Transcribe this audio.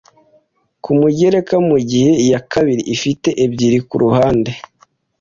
kumugereka mugihe iyakabiri ifite ebyiri kuruhande